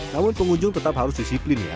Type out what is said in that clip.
namun pengunjung tetap harus disiplin ya